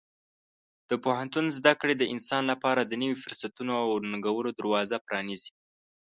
د پوهنتون زده کړې د انسان لپاره د نوي فرصتونو او ننګونو دروازه پرانیزي.